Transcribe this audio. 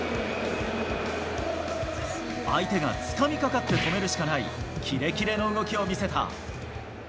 相手がつかみかかって止めるしかない、キレキレの動きを見せた。